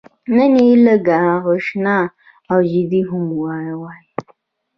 نن یې لږه خشنه او جدي هم وایم.